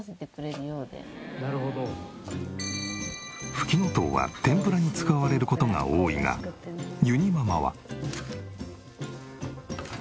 ふきのとうは天ぷらに使われる事が多いがゆにママは。